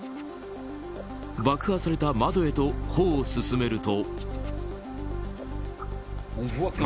爆破された窓へと歩を進めると。